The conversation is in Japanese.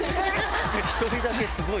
１人だけすごい。